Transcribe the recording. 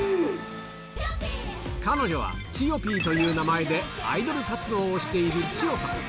彼女はちよぴーという名前でアイドル活動をしているちよさん。